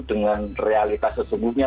dengan realitas sesungguhnya